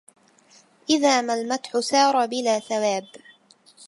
إذا ما المدح سار بلا ثواب